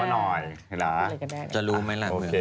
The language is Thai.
มีตาร่อยจะรู้มั้ยล่ะ